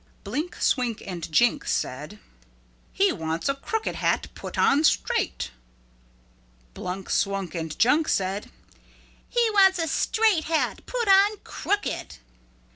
Blink, Swink and Jink said, "He wants a crooked hat put on straight." Blunk, Swunk and Junk said, "He wants a straight hat put on crooked."